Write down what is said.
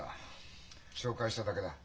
紹介しただけだ。